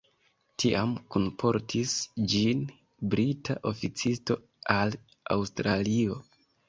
Tiam kunportis ĝin brita oficisto al Aŭstralio.